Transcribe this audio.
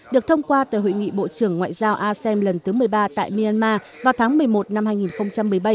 được thông qua từ hội nghị bộ trưởng ngoại giao asem lần thứ một mươi ba tại myanmar vào tháng một mươi một năm hai nghìn một mươi bảy